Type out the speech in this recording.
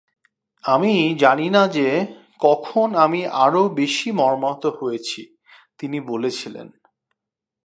"আমি জানি না যে, কখন আমি আরও বেশি মর্মাহত হয়েছি," তিনি বলেছিলেন।